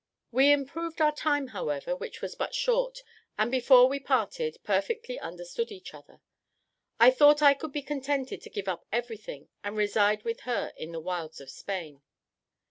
We improved our time, however, which was but short; and, before we parted, perfectly understood each other. I thought I could be contented to give up everything, and reside with her in the wilds of Spain.